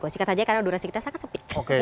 singkat saja karena durasi kita sangat sepi